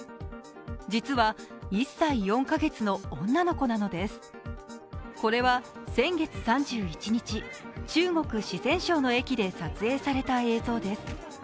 実は、１歳４カ月の女の子なのですこれは先月３１日、中国・四川省の駅で撮影された映像です。